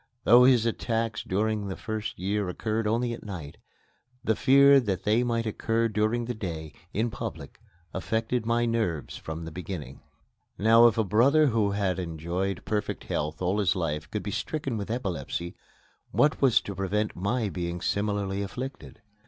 Though his attacks during the first year occurred only at night, the fear that they might occur during the day, in public, affected my nerves from the beginning. Now, if a brother who had enjoyed perfect health all his life could be stricken with epilepsy, what was to prevent my being similarly afflicted?